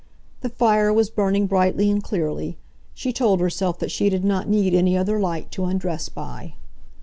The fire was burning brightly and clearly. She told herself that she did not need any other light to undress by.